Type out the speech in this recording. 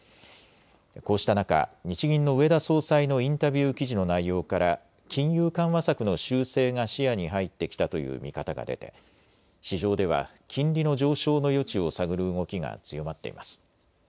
こうした中、日銀の植田総裁のインタビュー記事の内容から金融緩和策の修正が視野に入ってきたという見方が出て市場では金利の上昇の余地を探る動きが強まっています。